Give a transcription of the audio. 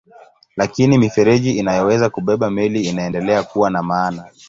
Lakini mifereji inayoweza kubeba meli inaendelea kuwa na maana.